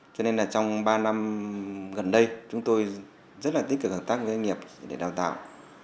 cho nên là trong ba năm gần đây chúng tôi rất là tích cực hợp tác với doanh nghiệp để đào tạo